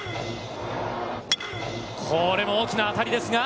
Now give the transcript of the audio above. これも大きな当たりですが。